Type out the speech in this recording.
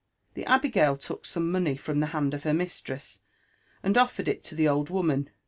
The abigail took some money from the hand of her mistress, and oflhred it to the old woman.